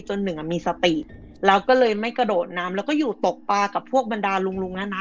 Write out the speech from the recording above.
หนึ่งอ่ะมีสติแล้วก็เลยไม่กระโดดน้ำแล้วก็อยู่ตกปลากับพวกบรรดาลุงลุงแล้วนะ